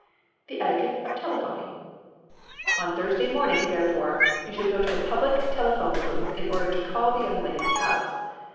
THE ETIQUETTE OF TELEPHONING On Thursday morning, therefore, you should go to a public telephone booth in order to call the young lady's house.